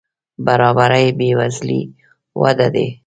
برابري بې وزلي وده دي.